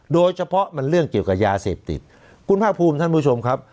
โดยเฉพาะมันเรื่องเกี่ยวกับยาเสพติดคุณภาคภูมิท่านผู้ชมครับ